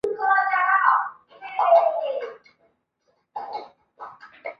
在此书中尼采的经验主义及怀疑主义达到最高峰。